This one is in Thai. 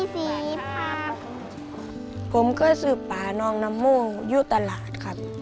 ผมก็ซื้อป่าน้องน้ำมู้อยู่ตลาดครับ